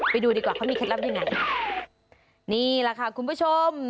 ไปดูดีกว่าเขามีเคล็ดลับยังไงนี่แหละค่ะคุณผู้ชม